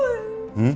うん？